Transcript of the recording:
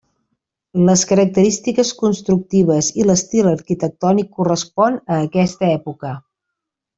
Les característiques constructives i l'estil arquitectònic correspon a aquesta època.